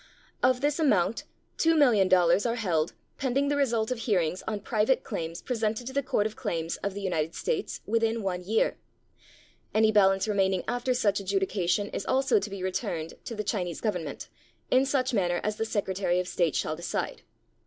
Of this amount $2,000,000 are held pending the result of hearings on private claims presented to the Court of Claims of the United States within one year. Any balance remaining after such adjudication is also to be returned to the Chi nese Government, in such manner as the Secretary of State shall decide.